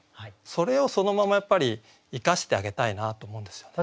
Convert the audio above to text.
それをそのままやっぱり生かしてあげたいなと思うんですよね。